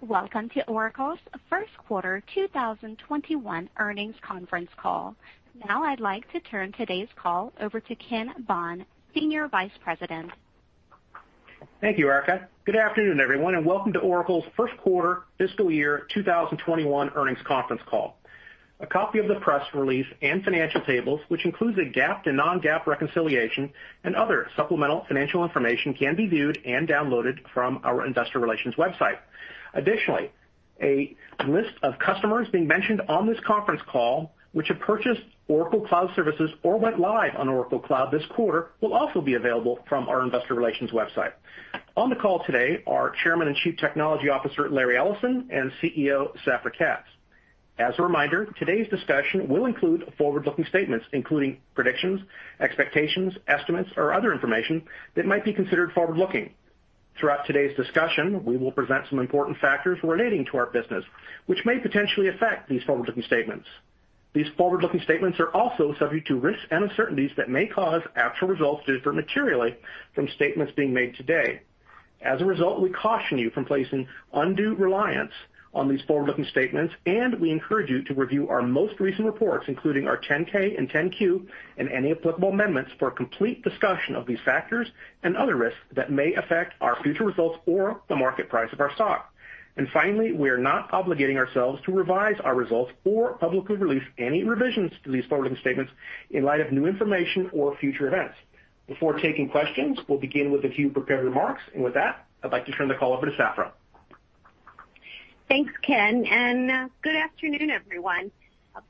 Welcome to Oracle's first quarter 2021 earnings conference call. Now, I'd like to turn today's call over to Ken Bond, Senior Vice President. Thank you, Erica. Good afternoon, everyone, and welcome to Oracle's first quarter fiscal year 2021 earnings conference call. A copy of the press release and financial tables, which includes a GAAP to non-GAAP reconciliation and other supplemental financial information can be viewed and downloaded from our investor relations website. Additionally, a list of customers being mentioned on this conference call, which have purchased Oracle Cloud services or went live on Oracle Cloud this quarter, will also be available from our investor relations website. On the call today are Chairman and Chief Technology Officer, Larry Ellison, and CEO, Safra Catz. As a reminder, today's discussion will include forward-looking statements, including predictions, expectations, estimates, or other information that might be considered forward-looking. Throughout today's discussion, we will present some important factors relating to our business, which may potentially affect these forward-looking statements. These forward-looking statements are also subject to risks and uncertainties that may cause actual results to differ materially from statements being made today. As a result, we caution you from placing undue reliance on these forward-looking statements, and we encourage you to review our most recent reports, including our 10-K and 10-Q, and any applicable amendments for a complete discussion of these factors and other risks that may affect our future results or the market price of our stock. Finally, we are not obligating ourselves to revise our results or publicly release any revisions to these forward-looking statements in light of new information or future events. Before taking questions, we'll begin with a few prepared remarks. With that, I'd like to turn the call over to Safra. Thanks, Ken, and good afternoon, everyone.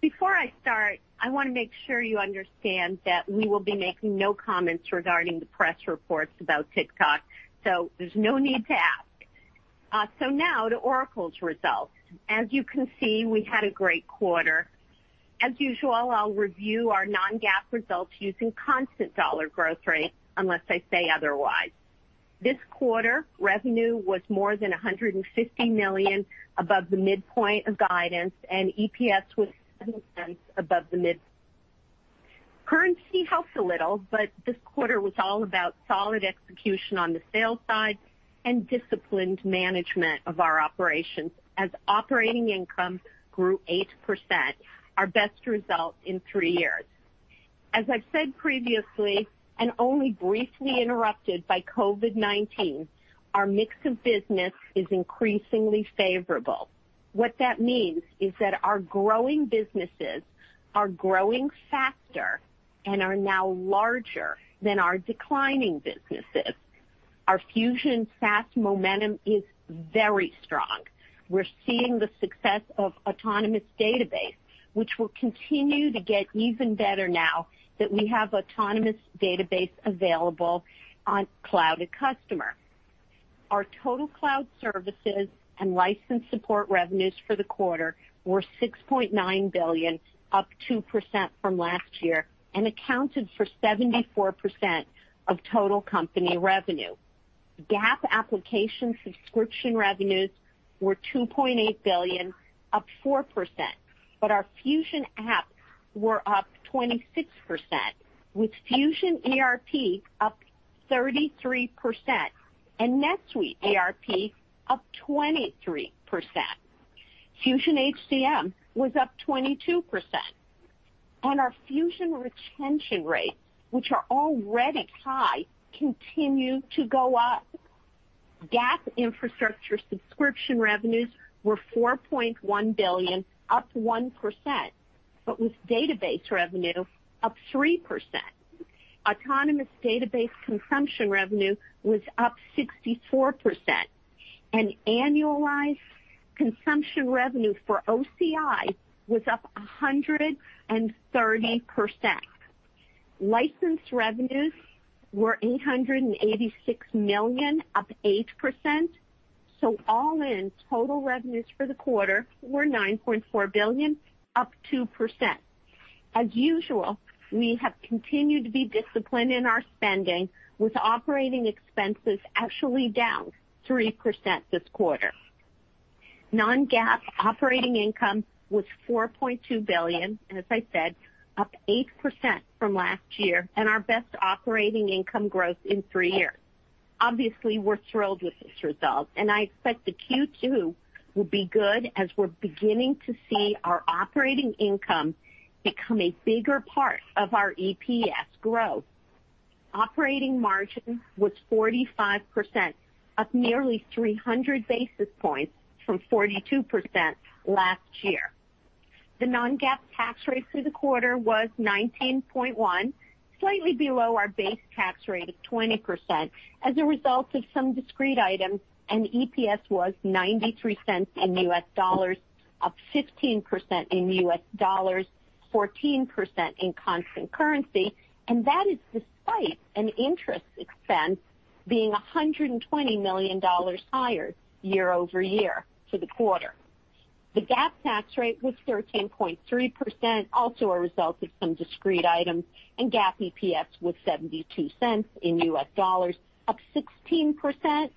Before I start, I want to make sure you understand that we will be making no comments regarding the press reports about TikTok, so there's no need to ask. Now to Oracle's results. As you can see, we had a great quarter. As usual, I'll review our non-GAAP results using constant dollar growth rate unless I say otherwise. This quarter, revenue was more than $150 million above the midpoint of guidance, and EPS was [$0.07] above the mid. Currency helped a little, but this quarter was all about solid execution on the sales side and disciplined management of our operations as operating income grew 8%, our best result in three years. As I've said previously, and only briefly interrupted by COVID-19, our mix of business is increasingly favorable. What that means is that our growing businesses are growing faster and are now larger than our declining businesses. Our Fusion SaaS momentum is very strong. We're seeing the success of Autonomous Database, which will continue to get even better now that we have Autonomous Database available on Cloud@Customer. Our total cloud services and license support revenues for the quarter were $6.9 billion, up 2% from last year, and accounted for 74% of total company revenue. GAAP application subscription revenues were $2.8 billion, up 4%, but our Fusion apps were up 26%, with Fusion ERP up 33% and NetSuite ERP up 23%. Fusion HCM was up 22%. Our Fusion retention rates, which are already high, continue to go up. GAAP infrastructure subscription revenues were $4.1 billion, up 1%, but with database revenue up 3%. Autonomous Database consumption revenue was up 64%, and annualized consumption revenue for OCI was up 130%. License revenues were $886 million, up 8%. All in, total revenues for the quarter were $9.4 billion, up 2%. As usual, we have continued to be disciplined in our spending, with operating expenses actually down 3% this quarter. Non-GAAP operating income was $4.2 billion, and as I said, up 8% from last year and our best operating income growth in three years. Obviously, we're thrilled with this result, and I expect that Q2 will be good as we're beginning to see our operating income become a bigger part of our EPS growth. Operating margin was 45%, up nearly 300 basis points from 42% last year. The non-GAAP tax rate for the quarter was 19.1, slightly below our base tax rate of 20% as a result of some discrete items, and EPS was $0.93 in US dollars, up 15% in US dollars, 14% in constant currency. That is despite an interest expense being $120 million higher year-over-year for the quarter. The GAAP tax rate was 13.3%, also a result of some discrete items, and GAAP EPS was $0.72 in US dollars, up 16%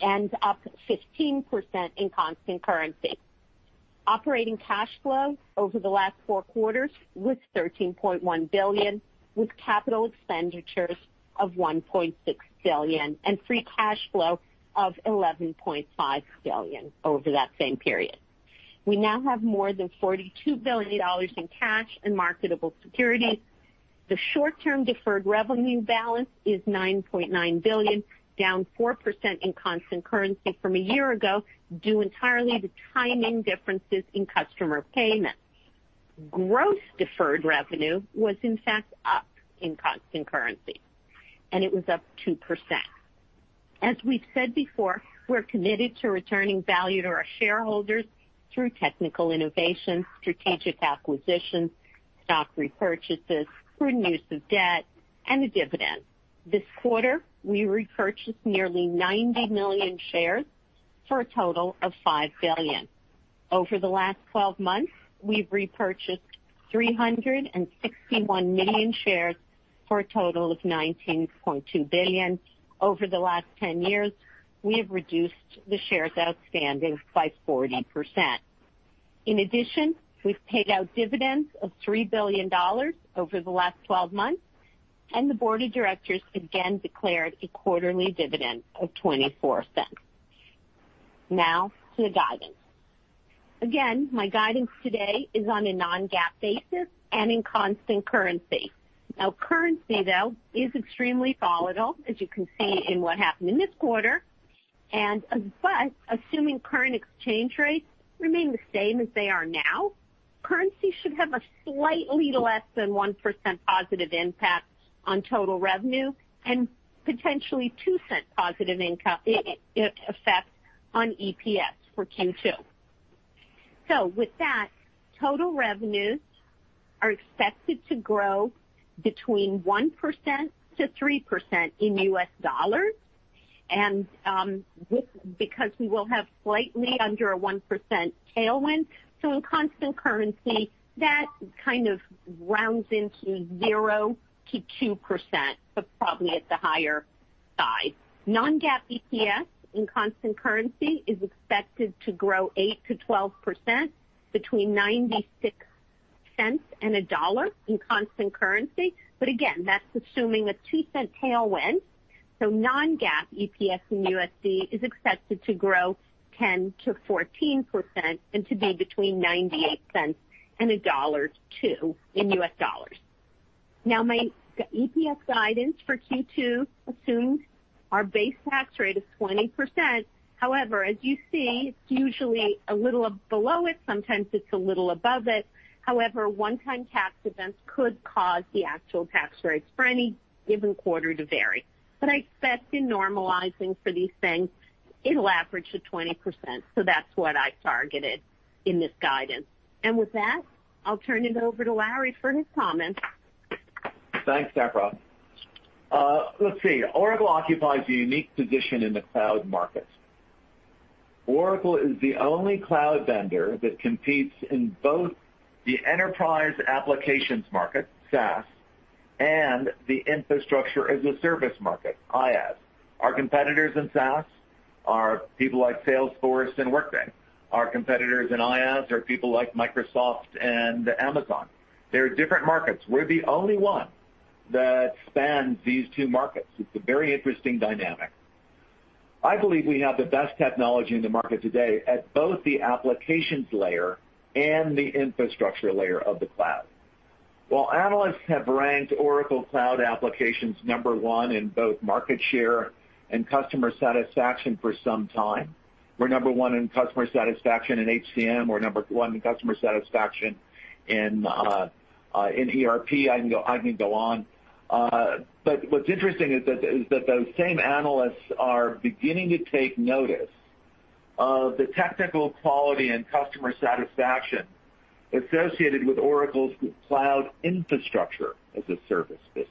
and up 15% in constant currency. Operating cash flow over the last four quarters was $13.1 billion, with capital expenditures of $1.6 billion and free cash flow of $11.5 billion over that same period. We now have more than $42 billion in cash and marketable securities. The short-term deferred revenue balance is $9.9 billion, down 4% in constant currency from a year ago, due entirely to timing differences in customer payments. Gross deferred revenue was in fact up in constant currency, and it was up 2%. As we've said before, we're committed to returning value to our shareholders through technical innovation, strategic acquisitions, stock repurchases, prudent use of debt, and a dividend. This quarter, we repurchased nearly 90 million shares for a total of $5 billion. Over the last 12 months, we've repurchased 361 million shares for a total of $19.2 billion. Over the last 10 years, we have reduced the shares outstanding by 40%. In addition, we've paid out dividends of $3 billion over the last 12 months, and the board of directors again declared a quarterly dividend of $0.24. Now, to the guidance. Again, my guidance today is on a non-GAAP basis and in constant currency. Currency, though, is extremely volatile, as you can see in what happened in this quarter, but assuming current exchange rates remain the same as they are now, currency should have a slightly less than 1% positive impact on total revenue and potentially $0.02 positive effect on EPS for Q2. With that, total revenues are expected to grow between 1%-3% in US dollars because we will have slightly under a 1% tailwind. In constant currency, that kind of rounds into 0%-2%, but probably at the higher side. Non-GAAP EPS in constant currency is expected to grow 8%-12%, between $0.96 and $1.00 in constant currency. Again, that's assuming a $0.02 tailwind, so non-GAAP EPS in USD is expected to grow 10%-14% and to be between $0.98 and $1.02 in US dollars. Now, my EPS guidance for Q2 assumes our base tax rate is 20%. However, as you see, it's usually a little below it, sometimes it's a little above it. One-time tax events could cause the actual tax rates for any given quarter to vary. I expect in normalizing for these things, it'll average to 20%, that's what I targeted in this guidance. With that, I'll turn it over to Larry for his comments. Thanks, Safra. Let's see. Oracle occupies a unique position in the cloud market. Oracle is the only cloud vendor that competes in both the enterprise applications market, SaaS, and the infrastructure as a service market, IaaS. Our competitors in SaaS are people like Salesforce and Workday. Our competitors in IaaS are people like Microsoft and Amazon. They're different markets. We're the only one that spans these two markets. It's a very interesting dynamic. I believe we have the best technology in the market today at both the applications layer and the infrastructure layer of the cloud. While analysts have ranked Oracle Cloud Applications number one in both market share and customer satisfaction for some time, we're number one in customer satisfaction in HCM, we're number one in customer satisfaction in ERP. I can go on, but what's interesting is that those same analysts are beginning to take notice of the technical quality and customer satisfaction associated with Oracle's cloud infrastructure as a service business.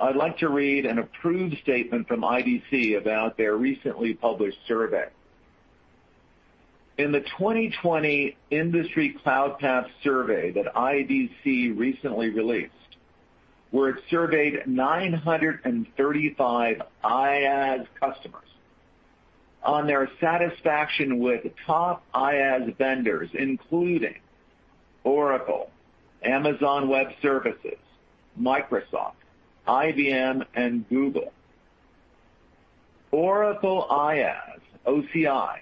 I'd like to read an approved statement from IDC about their recently published survey. In the 2020 Industry CloudPath survey that IDC recently released, where it surveyed 935 IaaS customers on their satisfaction with top IaaS vendors, including Oracle, Amazon Web Services, Microsoft, IBM, and Google. Oracle IaaS, OCI,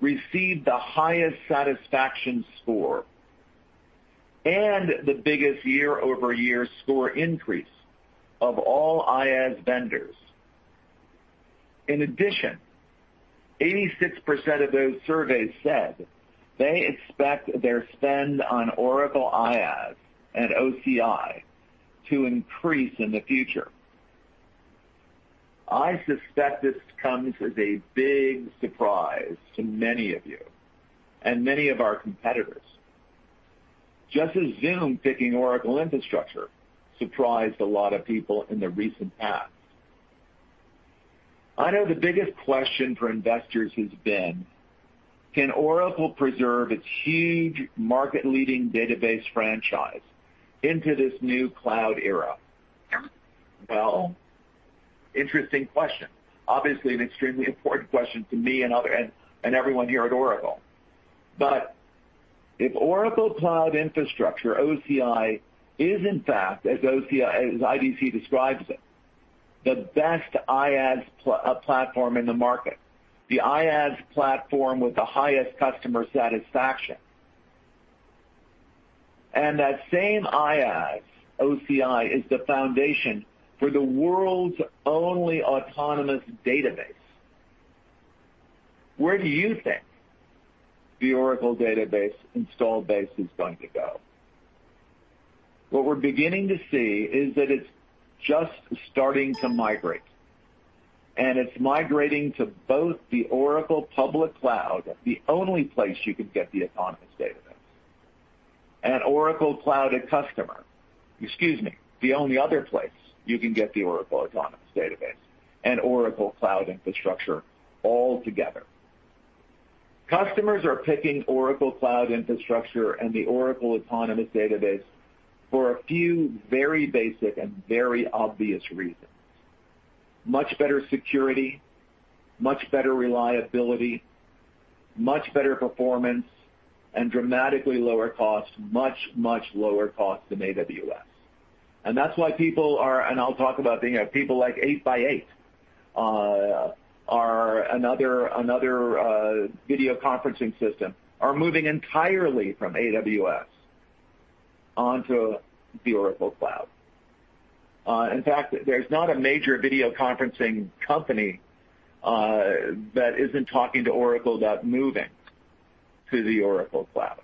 received the highest satisfaction score and the biggest year-over-year score increase of all IaaS vendors. In addition, 86% of those surveys said they expect their spend on Oracle IaaS and OCI to increase in the future. I suspect this comes as a big surprise to many of you and many of our competitors, just as Zoom picking Oracle infrastructure surprised a lot of people in the recent past. I know the biggest question for investors has been, can Oracle preserve its huge market-leading database franchise into this new cloud era? Well, interesting question. Obviously, an extremely important question to me and everyone here at Oracle. If Oracle Cloud Infrastructure, OCI, is in fact, as IDC describes it, the best IaaS platform in the market, the IaaS platform with the highest customer satisfaction, and that same IaaS, OCI, is the foundation for the world's only Autonomous Database, where do you think the Oracle Database install base is going to go? What we're beginning to see is that it's just starting to migrate, and it's migrating to both the Oracle public cloud, the only place you can get the Autonomous Database, and Oracle Cloud@Customer. Excuse me. The only other place you can get the Oracle Autonomous Database and Oracle Cloud Infrastructure all together. Customers are picking Oracle Cloud Infrastructure and the Oracle Autonomous Database for a few very basic and very obvious reasons. Much better security, much better reliability, much better performance, and dramatically lower cost. Much, much lower cost than AWS. I'll talk about people like 8x8, another video conferencing system, are moving entirely from AWS onto the Oracle Cloud. In fact, there's not a major video conferencing company that isn't talking to Oracle about moving to the Oracle Cloud.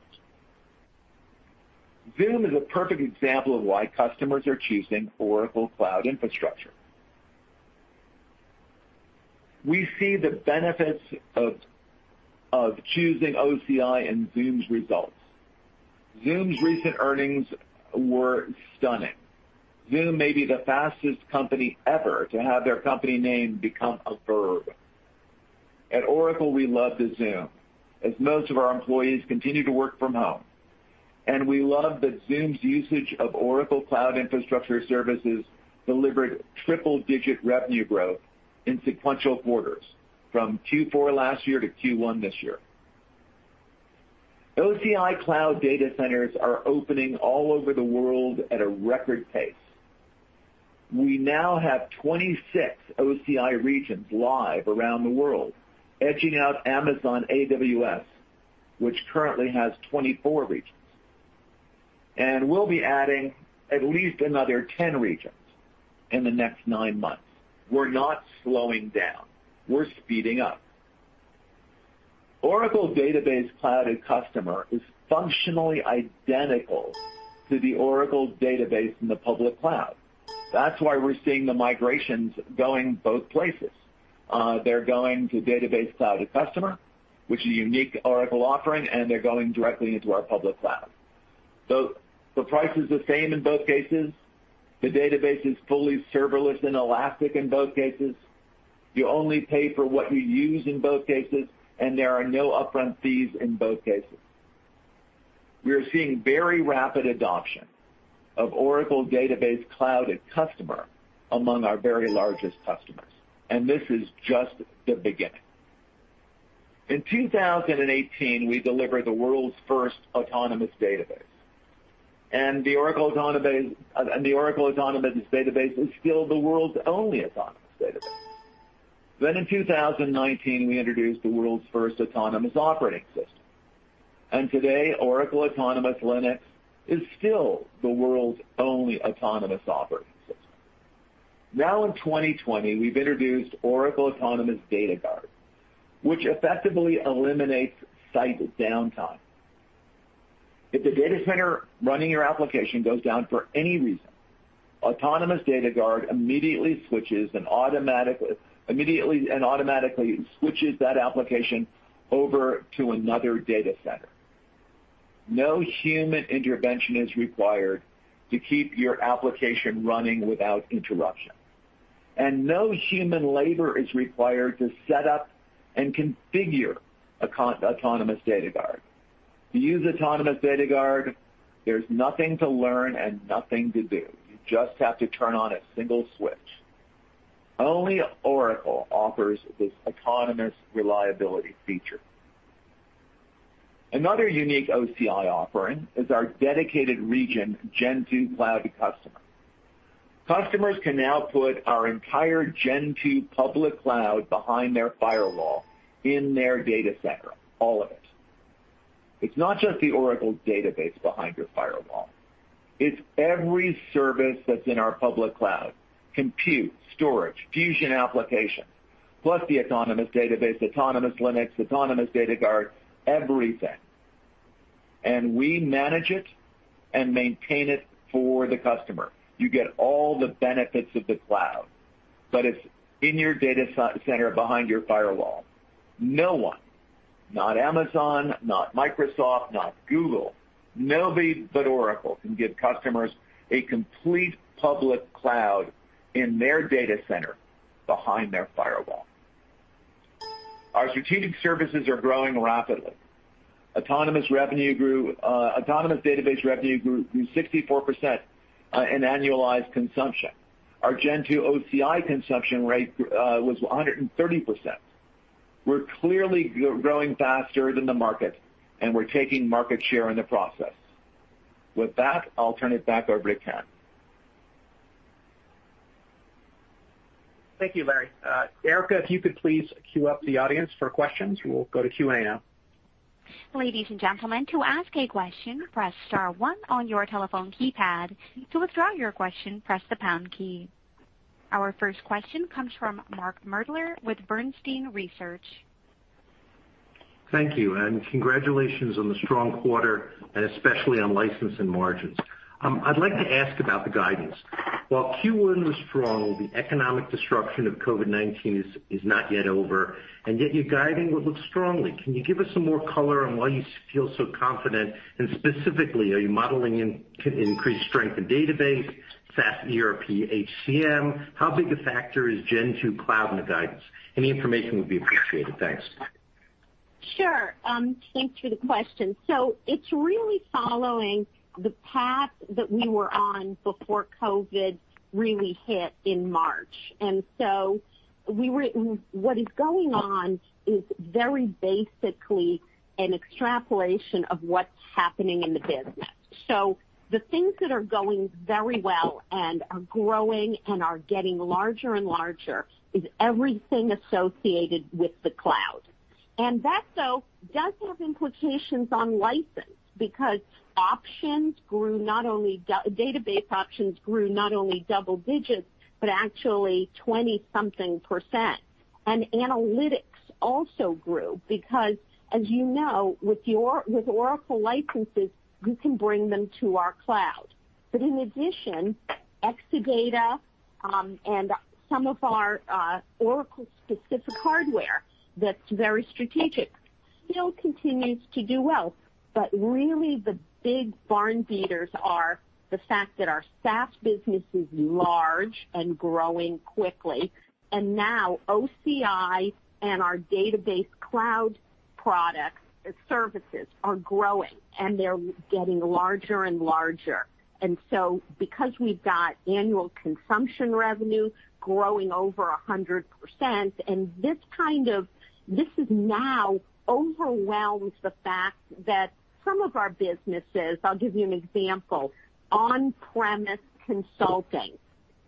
Zoom is a perfect example of why customers are choosing Oracle Cloud Infrastructure. We see the benefits of choosing OCI in Zoom's results. Zoom's recent earnings were stunning. Zoom may be the fastest company ever to have their company name become a verb. At Oracle, we love to Zoom, as most of our employees continue to work from home, and we love that Zoom's usage of Oracle Cloud Infrastructure services delivered triple-digit revenue growth in sequential quarters from Q4 last year to Q1 this year. OCI cloud data centers are opening all over the world at a record pace. We now have 26 OCI regions live around the world, edging out Amazon AWS, which currently has 24 regions. We'll be adding at least another 10 regions in the next nine months. We're not slowing down. We're speeding up. Oracle Database Cloud@Customer is functionally identical to the Oracle Database in the public cloud. That's why we're seeing the migrations going both places. They're going to Database Cloud@Customer, which is a unique Oracle offering, and they're going directly into our public cloud. The price is the same in both cases. The database is fully serverless and elastic in both cases. You only pay for what you use in both cases, and there are no upfront fees in both cases. We are seeing very rapid adoption of Oracle Database Cloud@Customer among our very largest customers, and this is just the beginning. In 2018, we delivered the world's first Autonomous Database. The Oracle Autonomous Database is still the world's only Autonomous Database. In 2019, we introduced the world's first autonomous operating system, and today, Oracle Autonomous Linux is still the world's only autonomous operating system. Now in 2020, we've introduced Oracle Autonomous Data Guard, which effectively eliminates site downtime. If the data center running your application goes down for any reason, Autonomous Data Guard immediately and automatically switches that application over to another data center. No human intervention is required to keep your application running without interruption, and no human labor is required to set up and configure Autonomous Data Guard. To use Autonomous Data Guard, there's nothing to learn and nothing to do. You just have to turn on a single switch. Only Oracle offers this autonomous reliability feature. Another unique OCI offering is our dedicated region Gen 2 Cloud@Customer. Customers can now put our entire Gen 2 public cloud behind their firewall in their data center, all of it. It's not just the Oracle Database behind your firewall. It's every service that's in our public cloud, compute, storage, Fusion applications, plus the Autonomous Database, Autonomous Linux, Autonomous Data Guard, everything, and we manage it and maintain it for the customer. You get all the benefits of the cloud, but it's in your data center behind your firewall. No one, not Amazon, not Microsoft, not Google, nobody but Oracle can give customers a complete public cloud in their data center behind their firewall. Our strategic services are growing rapidly. Autonomous Database revenue grew 64% in annualized consumption. Our Gen 2 OCI consumption rate was 130%. We're clearly growing faster than the market, and we're taking market share in the process. With that, I'll turn it back over to Ken. Thank you, Larry. Erica, if you could please queue up the audience for questions, we will go to Q&A now. Ladies and gentlemen, to ask a question press star one on your telephone keypad. To withdraw your question, press the pound key. Our first question comes from Mark Moerdler with Bernstein Research. Thank you. Congratulations on the strong quarter, and especially on license and margins. I'd like to ask about the guidance. While Q1 was strong, the economic disruption of COVID-19 is not yet over, and yet your guiding looks strong. Can you give us some more color on why you feel so confident, and specifically, are you modeling in increased strength in database, SaaS, ERP, HCM? How big a factor is Gen 2 Cloud in the guidance? Any information would be appreciated. Thanks. Sure. Thanks for the question. It's really following the path that we were on before COVID really hit in March. What is going on is very basically an extrapolation of what's happening in the business. The things that are going very well and are growing and are getting larger and larger is everything associated with the cloud. That though, does have implications on license because database options grew not only double digits, but actually 20-something percent. Analytics also grew because, as you know, with Oracle licenses, you can bring them to our cloud. In addition, Exadata, and some of our Oracle-specific hardware that's very strategic, still continues to do well, but really the big barn beaters are the fact that our SaaS business is large and growing quickly, and now OCI and our database cloud products services are growing, and they're getting larger and larger. Because we've got annual consumption revenue growing over 100%, this now overwhelms the fact that some of our businesses, I'll give you an example, on-premises consulting,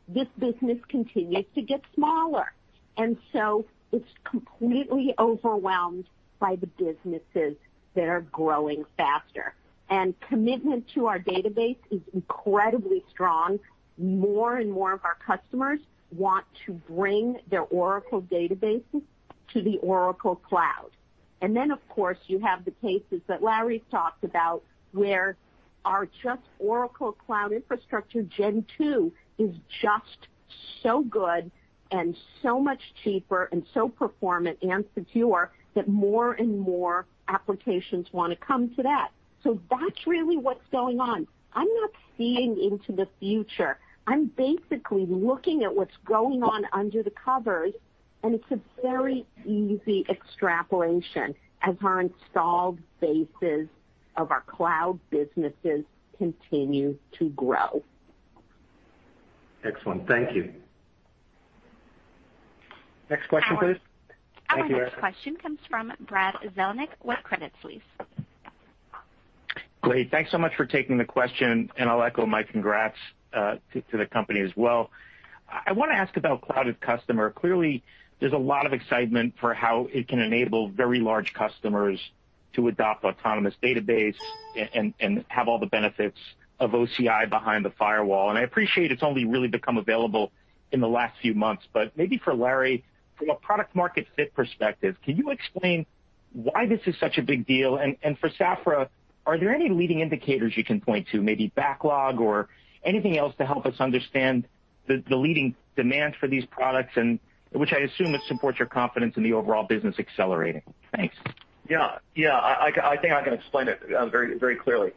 this business continues to get smaller, and so it's completely overwhelmed by the businesses that are growing faster. Commitment to our database is incredibly strong. More and more of our customers want to bring their Oracle databases to the Oracle Cloud. Of course, you have the cases that Larry's talked about, where our just Oracle Cloud Infrastructure Gen 2 is just so good and so much cheaper and so performant and secure that more and more applications want to come to that. That's really what's going on. I'm not seeing into the future. I'm basically looking at what's going on under the covers, and it's a very easy extrapolation as our installed bases of our cloud businesses continue to grow. Excellent. Thank you. Next question, please. Our next question comes from Brad Zelnick with Credit Suisse. Great. Thanks so much for taking the question, I'll echo my congrats to the company as well. I want to ask about Cloud@Customer. Clearly, there's a lot of excitement for how it can enable very large customers to adopt Autonomous Database and have all the benefits of OCI behind the firewall. I appreciate it's only really become available in the last few months, but maybe for Larry, from a product-market-fit perspective, can you explain why this is such a big deal? For Safra, are there any leading indicators you can point to, maybe backlog or anything else to help us understand the leading demand for these products, which I assume would support your confidence in the overall business accelerating? Thanks. Yeah. I think I can explain it very clearly.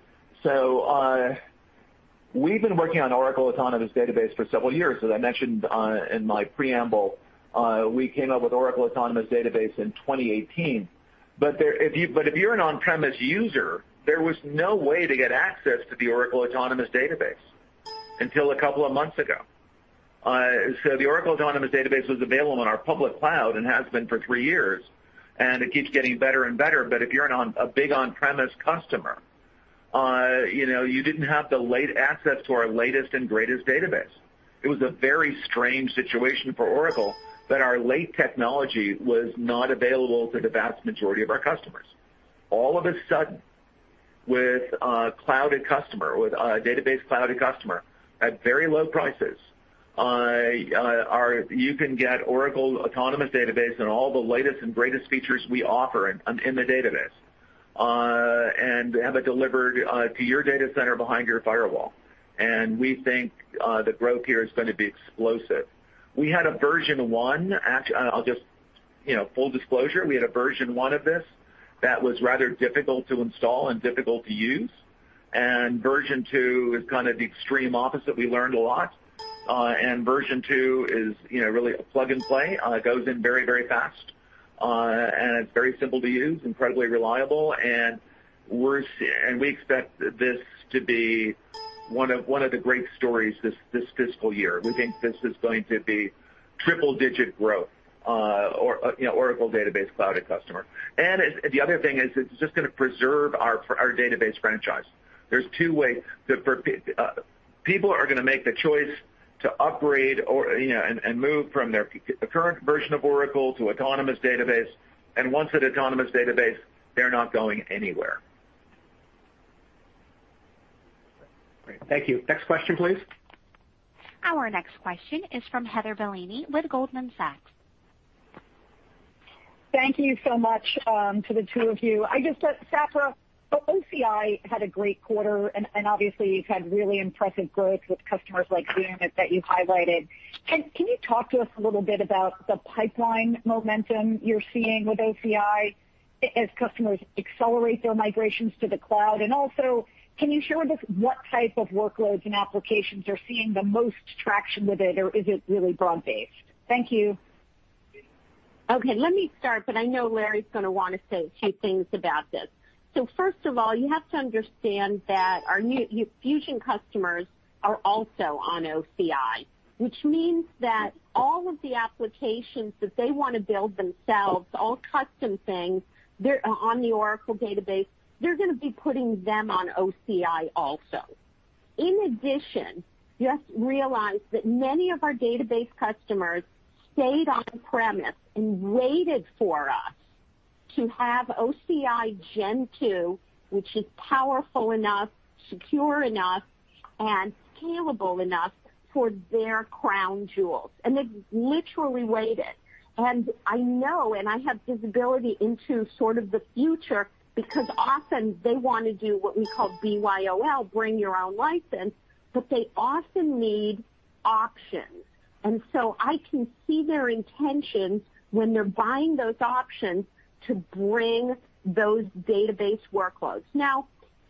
We've been working on Oracle Autonomous Database for several years, as I mentioned in my preamble. We came up with Oracle Autonomous Database in 2018. If you're an on-premise user, there was no way to get access to the Oracle Autonomous Database until a couple of months ago. The Oracle Autonomous Database was available on our public cloud and has been for three years, and it keeps getting better and better, but if you're a big on-premise customer, you didn't have the late access to our latest and greatest database. It was a very strange situation for Oracle that our late technology was not available to the vast majority of our customers. All of a sudden, with Cloud@Customer, with Database Cloud@Customer, at very low prices, you can get Oracle Autonomous Database and all the latest and greatest features we offer in the database, and have it delivered to your data center behind your firewall. We think the growth here is going to be explosive. We had a Version 1, full disclosure, we had a Version 1 of this that was rather difficult to install and difficult to use, and Version 2 is kind of the extreme opposite. We learned a lot. Version 2 is really plug-and-play. It goes in very fast, it's very simple to use, incredibly reliable, and we expect this to be one of the great stories this fiscal year. We think this is going to be triple-digit growth, Oracle Database Cloud@Customer. The other thing is it's just going to preserve our database franchise. There's two ways. People are going to make the choice to upgrade and move from their current version of Oracle to Autonomous Database. Once at Autonomous Database, they're not going anywhere. Great. Thank you. Next question, please. Our next question is from Heather Bellini with Goldman Sachs. Thank you so much to the two of you. Safra, OCI had a great quarter. Obviously, you've had really impressive growth with customers like Zoom that you highlighted. Can you talk to us a little bit about the pipeline momentum you're seeing with OCI as customers accelerate their migrations to the cloud? Also, can you share with us what type of workloads and applications are seeing the most traction with it, or is it really broad-based? Thank you. Okay. Let me start, but I know Larry's going to want to say a few things about this. First of all, you have to understand that our new Fusion customers are also on OCI, which means that all of the applications that they want to build themselves, all custom things on the Oracle Database, they're going to be putting them on OCI also. In addition, just realize that many of our database customers stayed on-premise and waited for us to have OCI Gen 2, which is powerful enough, secure enough, and scalable enough for their crown jewels. They literally waited. I know, and I have visibility into sort of the future, because often they want to do what we call BYOL, bring your own license, but they often need options. I can see their intentions when they're buying those options to bring those database workloads.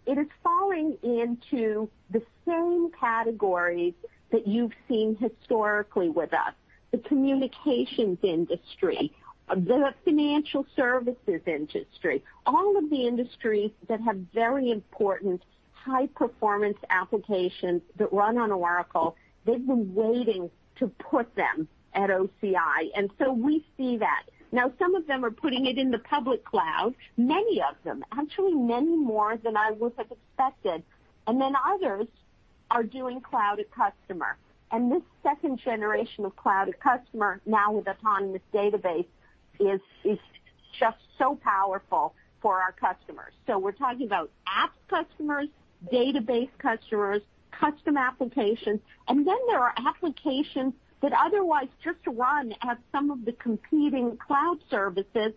It is falling into the same categories that you've seen historically with us, the communications industry, the financial services industry, all of the industries that have very important high-performance applications that run on Oracle, they've been waiting to put them at OCI, we see that. Some of them are putting it in the public cloud, many of them, actually, many more than I would have expected, and then others are doing Cloud@Customer. This second generation of Cloud@Customer, now with Autonomous Database, is just so powerful for our customers. We're talking about app customers, database customers, custom applications, and then there are applications that otherwise just run at some of the competing cloud services,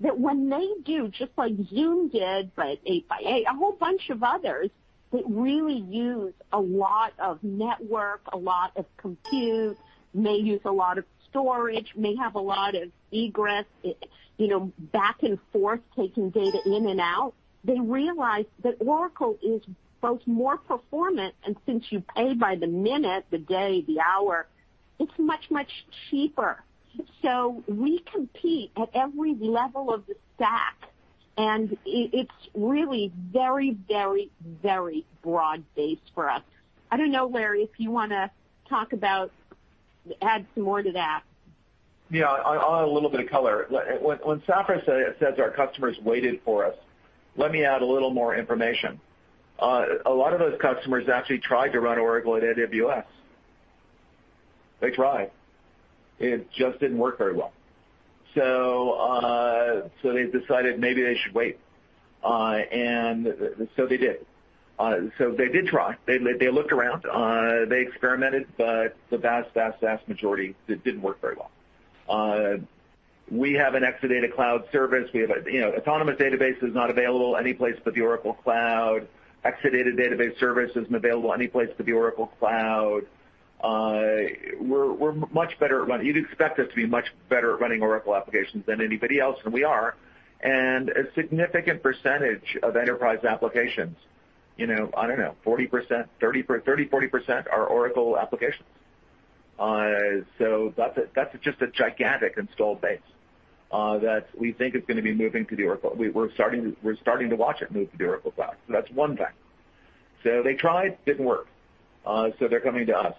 that when they do, just like Zoom did, but 8x8, a whole bunch of others that really use a lot of network, a lot of compute, may use a lot of storage, may have a lot of egress, back and forth, taking data in and out. They realize that Oracle is both more performant, and since you pay by the minute, the day, the hour, it's much, much cheaper. We compete at every level of the stack, and it's really very, very broad-based for us. I don't know, Larry, if you want to talk about, add some more to that. Yeah. I'll add a little bit of color. When Safra says our customers waited for us, let me add a little more information. A lot of those customers actually tried to run Oracle at AWS. They tried. It just didn't work very well. They decided maybe they should wait, and so they did. They did try. They looked around, they experimented, but the vast, vast, vast majority, it didn't work very well. We have an Exadata Cloud Service. Autonomous Database is not available any place but the Oracle Cloud. Exadata Database Service isn't available any place but the Oracle Cloud. You'd expect us to be much better at running Oracle applications than anybody else, and we are. A significant percentage of enterprise applications, I don't know, 30%-40% are Oracle applications. That's just a gigantic installed base. We're starting to watch it move to the Oracle Cloud. That's one fact. They tried, didn't work, they're coming to us.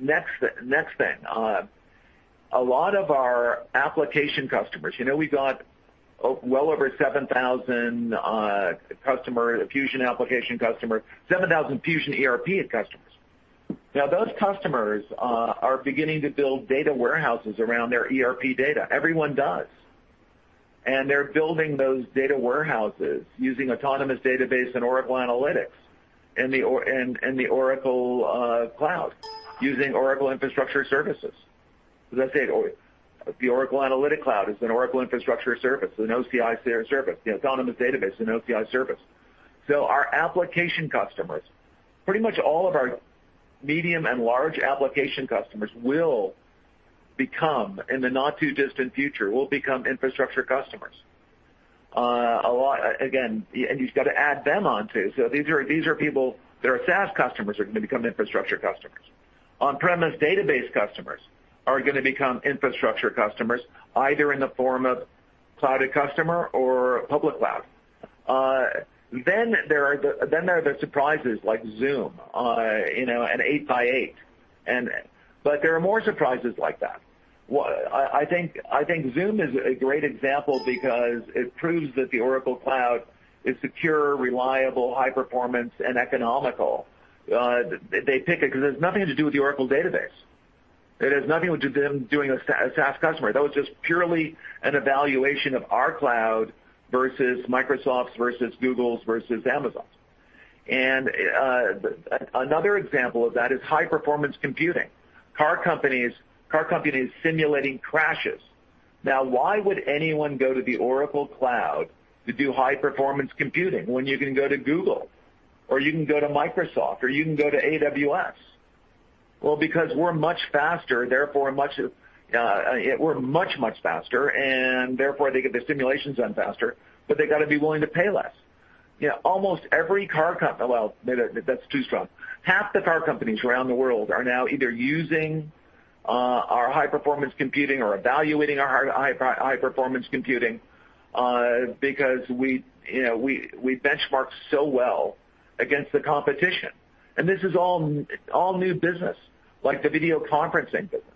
Next thing, a lot of our application customers, we've got well over 7,000 Fusion ERP customers. Those customers are beginning to build data warehouses around their ERP data. Everyone does. They're building those data warehouses using Autonomous Database and Oracle Analytics and the Oracle Cloud using Oracle Infrastructure services. As I said, the Oracle Analytics Cloud is an Oracle infrastructure service, an OCI service, the Autonomous Database, an OCI service. Our application customers, pretty much all of our medium and large application customers will become, in the not-too-distant future, infrastructure customers. Again, you've got to add them on too. These are people that are SaaS customers are going to become infrastructure customers. On-premise database customers are going to become infrastructure customers, either in the form of Cloud@Customer or public cloud. There are the surprises like Zoom, an 8x8, but there are more surprises like that. I think Zoom is a great example because it proves that the Oracle Cloud is secure, reliable, high-performance, and economical. They pick it because it has nothing to do with the Oracle Database. It has nothing to do with them doing a SaaS customer. That was just purely an evaluation of our cloud versus Microsoft's, versus Google's, versus Amazon's. Another example of that is high-performance computing. Car companies simulating crashes. Now, why would anyone go to the Oracle Cloud to do high-performance computing when you can go to Google, or you can go to Microsoft, or you can go to AWS? Because we're much, much faster, and therefore they get their simulations done faster, but they got to be willing to pay less. Half the car companies around the world are now either using our high-performance computing or evaluating our high-performance computing because we benchmark so well against the competition, and this is all new business, like the video conferencing business.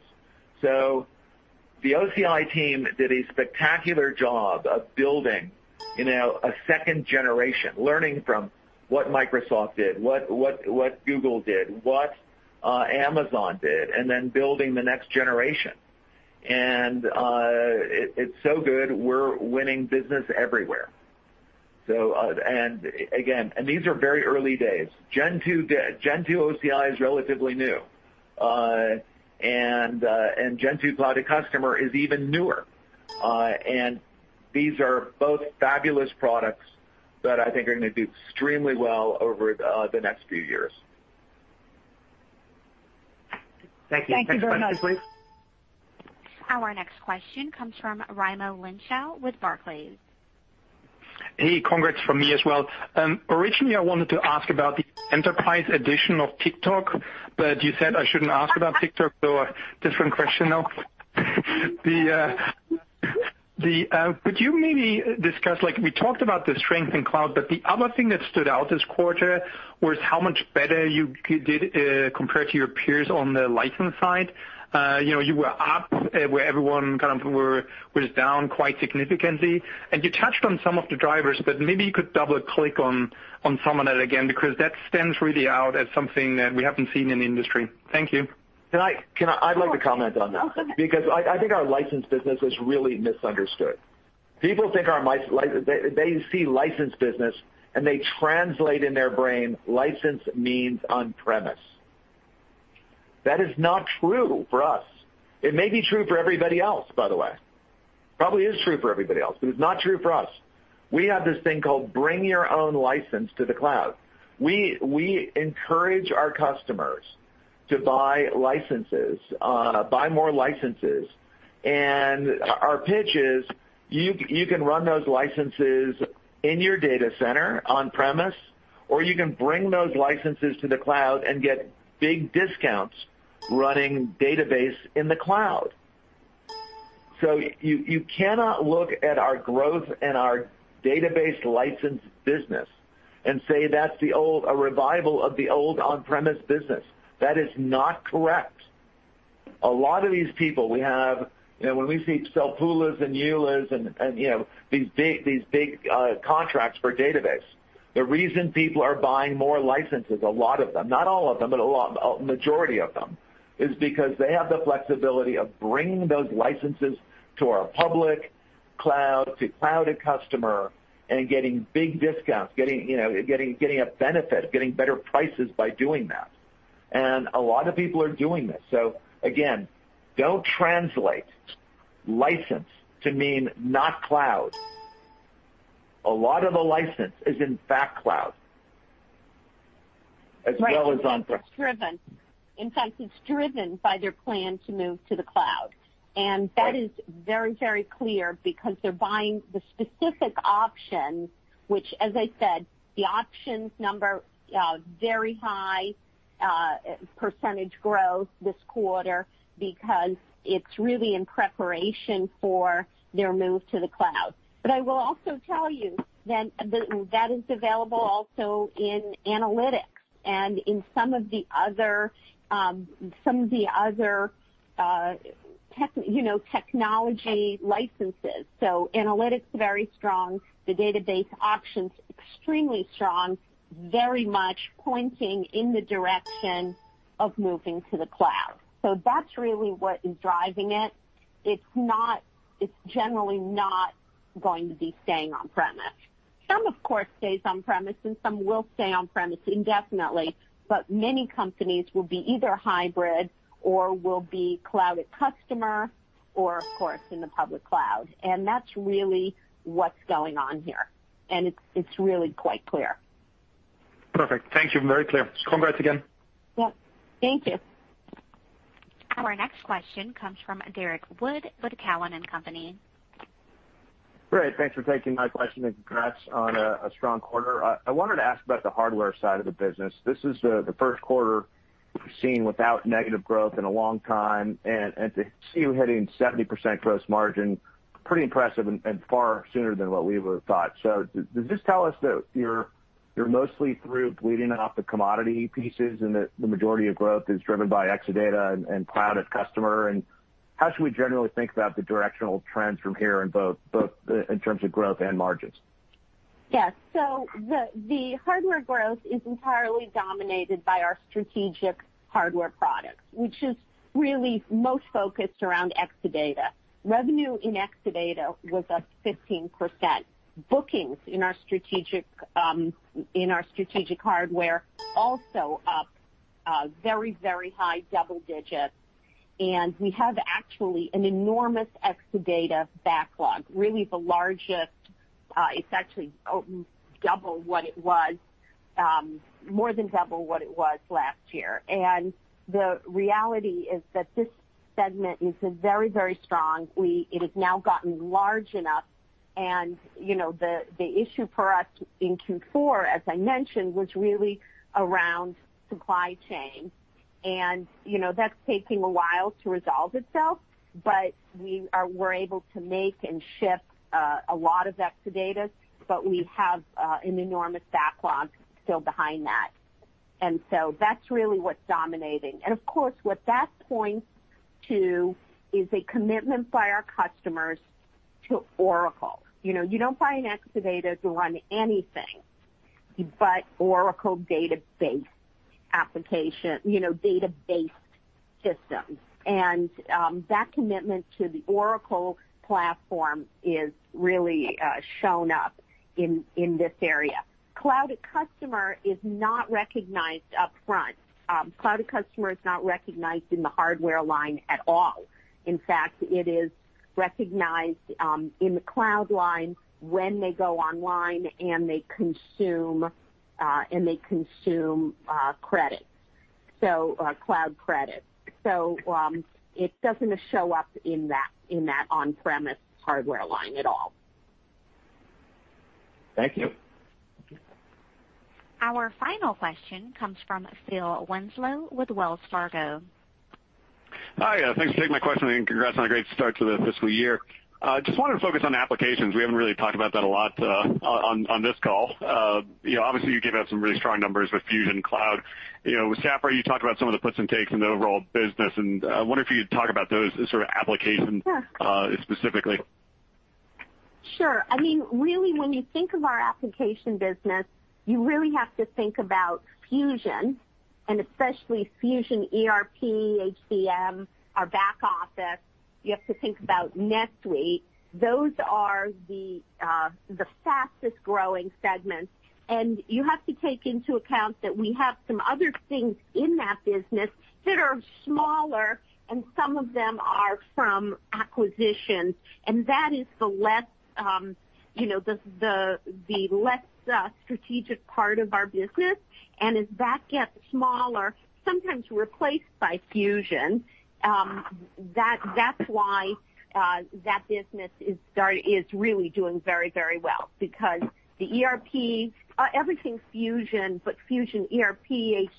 The OCI team did a spectacular job of building a second generation, learning from what Microsoft did, what Google did, what Amazon did, and then building the next generation. It's so good, we're winning business everywhere. Again, these are very early days. Gen 2 OCI is relatively new. Gen 2 Cloud@Customer is even newer. These are both fabulous products that I think are going to do extremely well over the next few years. Thank you. Thank you very much. Next question, please. Our next question comes from Raimo Lenschow with Barclays. Hey, congrats from me as well. Originally, I wanted to ask about the enterprise edition of TikTok, but you said I shouldn't ask about TikTok so a different question now. Could you maybe discuss, like we talked about the strength in cloud, but the other thing that stood out this quarter was how much better you did compared to your peers on the license side. You were up where everyone kind of was down quite significantly, and you touched on some of the drivers, but maybe you could double-click on some of that again because that stands really out as something that we haven't seen in the industry. Thank you. I'd like to comment on that. Oh, go ahead. I think our license business is really misunderstood. They see license business, and they translate in their brain license means on-premise. That is not true for us. It may be true for everybody else, by the way. Probably is true for everybody else, but it's not true for us. We have this thing called bring your own license to the cloud. We encourage our customers to buy licenses, buy more licenses. Our pitch is, you can run those licenses in your data center on-premise, or you can bring those licenses to the cloud and get big discounts running Database in the cloud. You cannot look at our growth and our Database license business and say that's a revival of the old on-premise business. That is not correct. A lot of these people we have, when we see the PULAs and ULAs and these big contracts for database, the reason people are buying more licenses, a lot of them, not all of them, but a majority of them, is because they have the flexibility of bringing those licenses to our public cloud, to Cloud@Customer, and getting big discounts, getting a benefit, getting better prices by doing that. A lot of people are doing this. Again, don't translate license to mean not cloud. A lot of the license is in fact cloud, as well as on-premise. In fact, it's driven by their plan to move to the cloud. That is very, very clear because they're buying the specific options, which as I said, the options number very high percentage growth this quarter because it's really in preparation for their move to the cloud. I will also tell you that that is available also in analytics and in some of the other technology licenses. Analytics, very strong. The database options, extremely strong. Very much pointing in the direction of moving to the cloud. That's really what is driving it. It's generally not going to be staying on-premise. Some, of course, stays on-premise, and some will stay on-premise indefinitely, but many companies will be either hybrid or will be Cloud@Customer or, of course, in the public cloud. That's really what's going on here, and it's really quite clear. Perfect. Thank you. Very clear. Congrats again. Yeah. Thank you. Our next question comes from Derrick Wood with Cowen and Company. Great. Thanks for taking my question, and congrats on a strong quarter. I wanted to ask about the hardware side of the business. This is the first quarter we've seen without negative growth in a long time, and to see you hitting 70% gross margin, pretty impressive and far sooner than what we would've thought. Does this tell us that you're mostly through bleeding off the commodity pieces, and that the majority of growth is driven by Exadata and Cloud@Customer? How should we generally think about the directional trends from here both in terms of growth and margins? Yes. The hardware growth is entirely dominated by our strategic hardware products, which is really most focused around Exadata. Revenue in Exadata was up 15%. Bookings in our strategic hardware also up very, very high double digits, and we have actually an enormous Exadata backlog, really the largest. It's actually more than double what it was last year. The reality is that this segment is very, very strong. It has now gotten large enough, and the issue for us in Q4, as I mentioned, was really around supply chain. That's taking a while to resolve itself, but we're able to make and ship a lot of Exadatas, but we have an enormous backlog still behind that. That's really what's dominating. Of course, what that points to is a commitment by our customers to Oracle. You don't buy an Exadata to run anything but Oracle Database systems. That commitment to the Oracle platform is really shown up in this area. Cloud@Customer is not recognized upfront. Cloud@Customer is not recognized in the hardware line at all. In fact, it is recognized in the cloud line when they go online and they consume cloud credit. It doesn't show up in that on-premise hardware line at all. Thank you. Our final question comes from Phil Winslow with Wells Fargo. Hi, thanks for taking my question, and congrats on a great start to the fiscal year. Just wanted to focus on applications. We haven't really talked about that a lot on this call. Obviously, you gave out some really strong numbers with Fusion Cloud. Safra, you talked about some of the puts and takes in the overall business, and I wonder if you could talk about those as sort of applications specifically. Sure. Really, when you think of our application business, you really have to think about Fusion, and especially Fusion ERP, HCM, our back office. You have to think about NetSuite. Those are the fastest-growing segments. You have to take into account that we have some other things in that business that are smaller, and some of them are from acquisitions, and that is the less strategic part of our business. As that gets smaller, sometimes replaced by Fusion, that's why that business is really doing very, very well because everything Fusion, but Fusion ERP,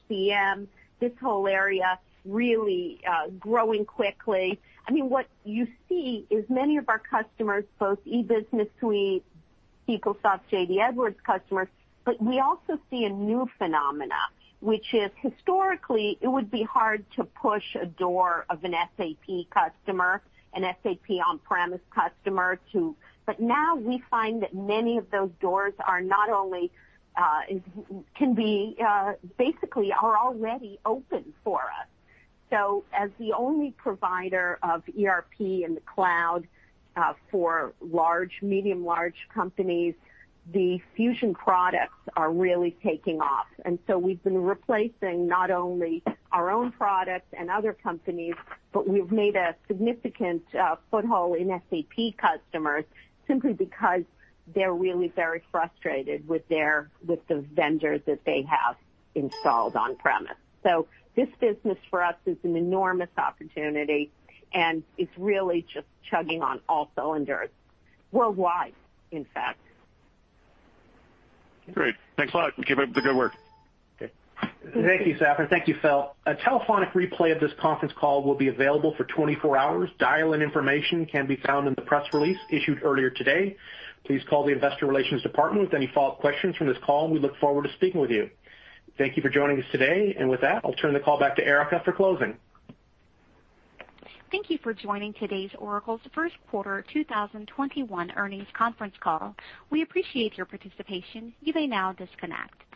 HCM, this whole area really growing quickly. What you see is many of our customers, both E-Business Suite, PeopleSoft, JD Edwards customers, but we also see a new phenomena, which is historically, it would be hard to push a door of an SAP on-premise customer. Now, we find that many of those doors basically are already open for us. As the only provider of ERP in the cloud for medium large companies, the Fusion products are really taking off. We've been replacing not only our own products and other companies, but we've made a significant foothold in SAP customers simply because they're really very frustrated with the vendors that they have installed on premise. This business for us is an enormous opportunity, and it's really just chugging on all cylinders worldwide, in fact. Great. Thanks a lot and keep up the good work. Okay. Thank you, Safra. Thank you, Phil. A telephonic replay of this conference call will be available for 24 hours. Dial-in information can be found in the press release issued earlier today. Please call the investor relations department with any follow-up questions from this call, and we look forward to speaking with you. Thank you for joining us today. With that, I'll turn the call back to Erica for closing. Thank you for joining today's Oracle's first quarter 2021 earnings conference call. We appreciate your participation. You may now disconnect.